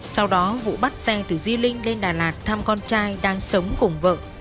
sau đó vũ bắt xe từ di linh lên đà lạt thăm con trai đang sống cùng vợ